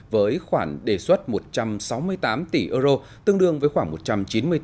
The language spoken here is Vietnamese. với khoản đề xuất một trăm sáu mươi tám tỷ euro tương đương với khoảng một trăm chín mươi tỷ đồng